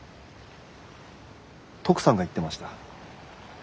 トクさんが言ってました。